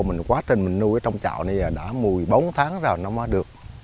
mình quá trình mình nuôi ở trong chậu này đã một mươi bốn tháng rồi nó mới được